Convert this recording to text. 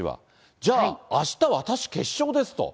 じゃあ、あした、私、決勝ですと。